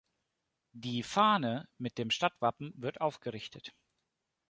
Die Fahne mit dem Stadtwappen wird aufgerichtet.